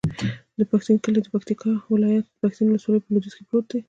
د پښتین کلی د پکتیکا ولایت، پښتین ولسوالي په لویدیځ کې پروت دی.